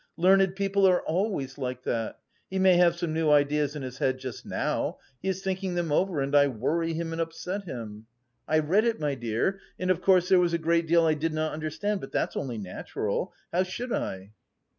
Learned people are always like that. He may have some new ideas in his head just now; he is thinking them over and I worry him and upset him.' I read it, my dear, and of course there was a great deal I did not understand; but that's only natural how should I?"